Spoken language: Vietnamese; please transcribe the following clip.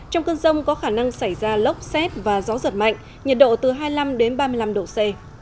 trong cơn rông có khả năng xảy ra lốc xét và gió giật mạnh nhiệt độ từ hai mươi năm đến ba mươi năm độ c